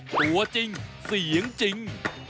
ตัวจริงเสียงจริง